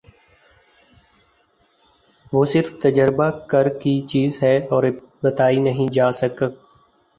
وہ صرف تجربہ کر کی چیز ہے اور بتائی نہیں جاسک